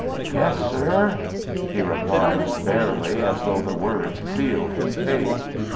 "Yes, sir," he replied barely, as though the words sealed his fate.